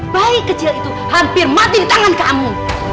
bayi kecil itu hampir mati di tangan kamu